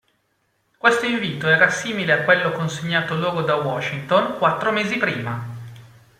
Questo invito era simile a quello consegnato loro da Washington quattro mesi prima.